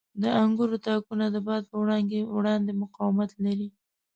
• د انګورو تاکونه د باد په وړاندې مقاومت لري.